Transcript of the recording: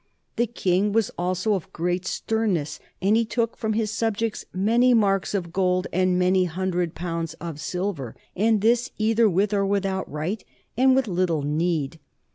The king was also of great sternness, and he took from his subjects many marks of gold, and many hundred pounds of silver, and this, either with or without right, and with little need.